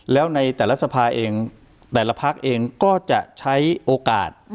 แล้วในแต่ละสภาเองแต่ละพักเองก็จะใช้โอกาส